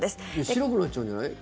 白くなっちゃうんじゃない？